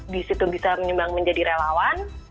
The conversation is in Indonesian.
di situ bisa menyumbang menjadi relawan